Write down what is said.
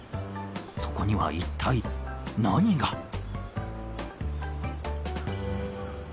そこには一体何が？え！？